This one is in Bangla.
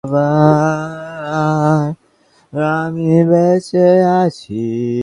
ভারতবর্ষের বাহিরে অন্যান্য জাতির ঈশ্বরের ধারণা একটি বস্তুনিষ্ঠ আকারে গিয়া থামিয়াছিল।